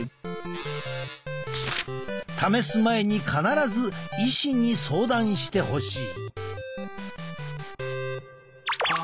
試す前に必ず医師に相談してほしい。